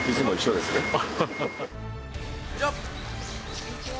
こんにちは